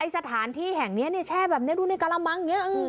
สถานที่แห่งนี้แช่แบบนี้ดูในกะละมัง